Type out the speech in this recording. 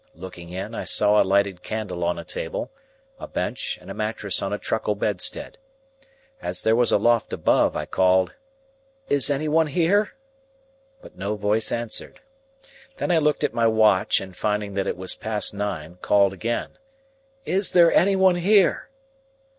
Looking in, I saw a lighted candle on a table, a bench, and a mattress on a truckle bedstead. As there was a loft above, I called, "Is there any one here?" but no voice answered. Then I looked at my watch, and, finding that it was past nine, called again, "Is there any one here?"